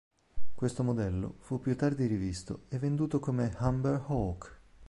Questo modello fu più tardi rivisto e venduto come Humber Hawk.